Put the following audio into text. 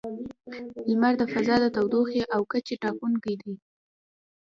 • لمر د فضا د تودوخې او کچې ټاکونکی دی.